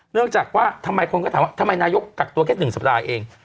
เนื่องจากว่าทำไมคนก็ถามว่าทำไมนายกกักตัวแค่๑สัปดาห์เอง